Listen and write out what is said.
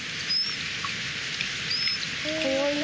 かわいい。